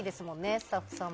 スタッフさんも。